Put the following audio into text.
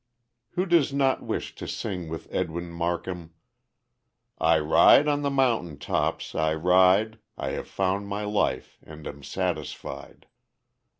Who does not wish to sing with Edwin Markham: "I ride on the mountain tops, I ride, I have found my life and am satisfied!"